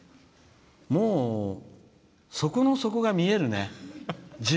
もう、底の底が見えるね。